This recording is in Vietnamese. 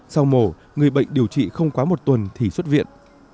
sau mổ người bệnh điều trị không quá một tuần thì xuất viện